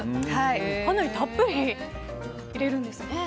かなりたっぷり入れるんですね。